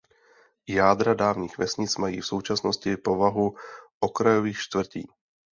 Jádra dávných vesnic mají v současnosti povahu okrajových čtvrtí.